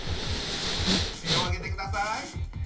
手を挙げてください。